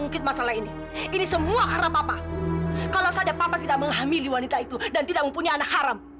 kalau saja papa tidak menghamili wanita itu dan tidak mempunyai anak haram